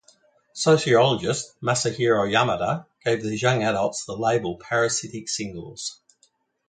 Sociologist Masahiro Yamada gave these young adults the label parasitic singles.